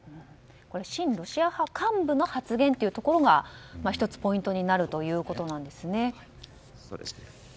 親ロシア派幹部の発言というところが１つポイントになるということですね。